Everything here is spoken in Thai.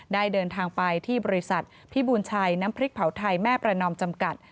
ได้เดินทางไปที่บริษัทพิบูลชัยน้ำพริกเผาไทยแม่ประนอมจำกัด